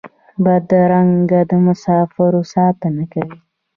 بدرګه د مسافرو ساتنه کوي.